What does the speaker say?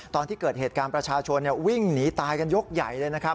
ตอนที่เกิดเหตุการณ์ประชาชนวิ่งหนีตายกันยกใหญ่เลยนะครับ